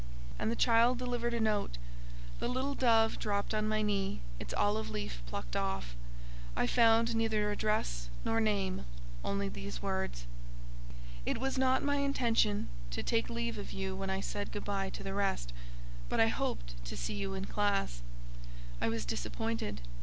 And the child delivered a note; the little dove dropped on my knee, its olive leaf plucked off. I found neither address nor name, only these words:— "It was not my intention to take leave of you when I said good by to the rest, but I hoped to see you in classe. I was disappointed.